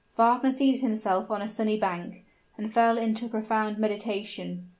Wagner seated himself on a sunny bank, and fell into a profound meditation.